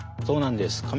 そうなんです。